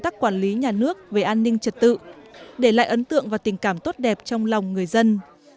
tác quản lý nhà nước về an ninh trật tự để lại ấn tượng và tình cảm tốt đẹp trong lòng người dân